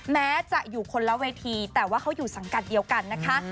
แม้จะอยู่คนละเวทีแต่ว่าเขาอยู่สังกัดเดียวกันนะคะ